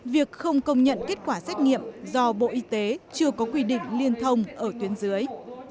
việc không công nhận kết quả xét nghiệm do bộ y tế chưa có quy định liên thông ở tuyến dưới